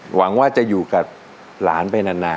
หวังว่าจะอยู่กับหลานไปนาน